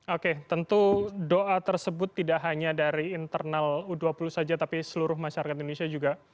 oke tentu doa tersebut tidak hanya dari internal u dua puluh saja tapi seluruh masyarakat indonesia juga